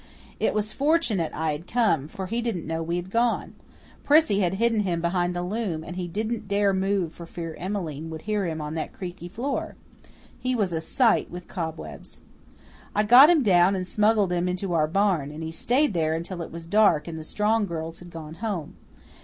It was fortunate I had come, for he didn't know we had gone. Prissy had hidden him behind the loom and he didn't dare move for fear Emmeline would hear him on that creaky floor. He was a sight with cobwebs. I got him down and smuggled him into our barn, and he stayed there until it was dark and the Strong girls had gone home.